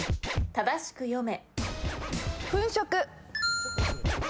正しく読め。